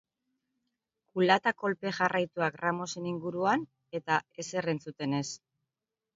Kulata kolpe jarraituak Ramosen inguruan, eta ezer entzuten ez.